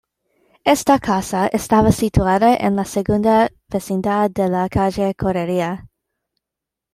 Esta casa estaba situada en la segunda vecindad de la calle Correría.